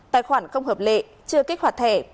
tài khoản không hợp lệ chưa kích hoạt thẻ